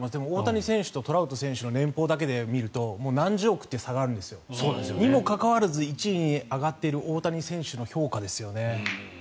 大谷選手とトラウト選手の年俸だけで見ると何十億という差があるんですにもかかわらず１位に上がっている大谷選手のすごさですよね。